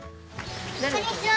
こんにちは！